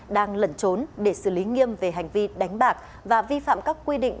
đang lẩn trốn để xử lý nghiêm về hành vi đánh bạc và vi phạm các quy định